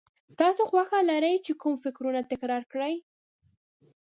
تاسې خوښه لرئ چې کوم فکرونه تکرار کړئ.